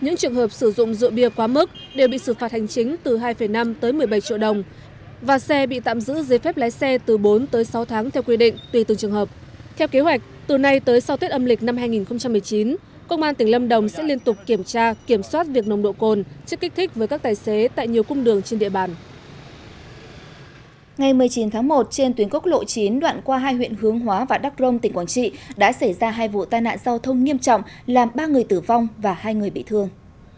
ngày một mươi chín tháng một trên tuyến cốc lộ chín đoạn qua hai huyện hướng hóa và đắk rông tỉnh quảng trị đã xảy ra hai vụ tai nạn giao thông nghiêm trọng làm ba người tử vong và hai người bị thương